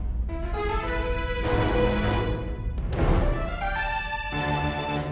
sepertinya aku gak bisa lagi